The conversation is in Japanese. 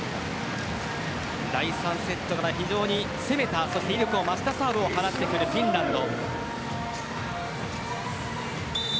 第３セットから攻めた、そして威力を増したサーブを放ってくるフィンランド。